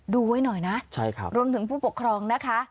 ดูไว้หน่อยนะรวมถึงผู้ปกครองนะคะ